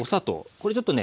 これちょっとね